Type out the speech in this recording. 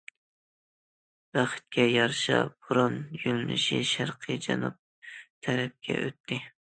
بەختكە يارىشا بوران يۆلىنىشى شەرقىي جەنۇب تەرەپكە ئۆتتى.